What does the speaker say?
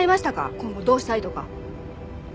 今後どうしたいとか。